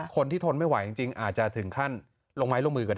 ทนไม่ไหวจริงอาจจะถึงขั้นลงไม้ลงมือกันได้